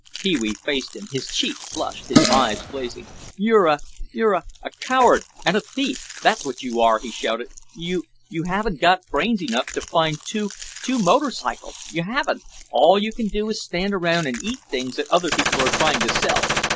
Pee wee faced him, his cheek flushed, his eyes blazing. "You're a—you're a—coward—and a thief—that's what you are," he shouted. "You—you—haven't got brains enough to find two—two —motorcycles—you haven't—all you can do is stand around and eat things that other people are trying to sell!